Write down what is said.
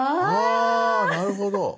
あなるほど。